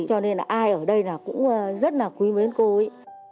cho nên là ai ở đây là cũng rất là quý mến cô ấy